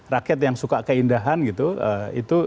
rakyat yang suka keindahan gitu itu